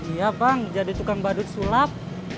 iya bang jadi tukang badut sulap